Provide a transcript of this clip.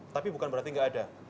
tapi bukan berarti nggak ada